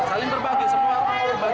saling berbagi semua